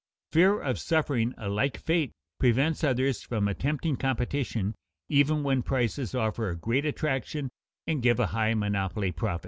Fear of suffering a like fate prevents others from attempting competition even when prices offer a great attraction and give a high monopoly profit.